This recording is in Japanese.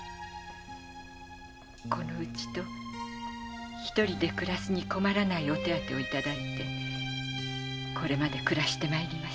この家と一人で暮らすに困らないお手当をいただいてこれまで暮らしてまいりました。